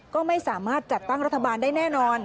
ก็ไม่สามารถจัดตั้งรัฐบาลได้แน่นอน